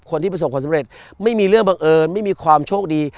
คนที่ประสบความสำเร็จไม่มีเรื่องบังเอิญไม่มีความโชคดี